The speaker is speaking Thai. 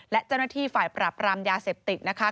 และเจ้าหน้าที่ฝ่ายปราบรามยาเสพติดนะคะ